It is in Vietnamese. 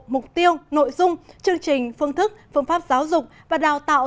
mục tiêu nội dung chương trình phương thức phương pháp giáo dục và đào tạo